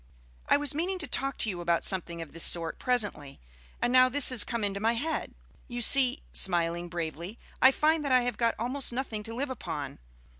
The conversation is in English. "I was meaning to talk to you about something of this sort presently, and now this has come into my head. You see," smiling bravely, "I find that I have got almost nothing to live upon.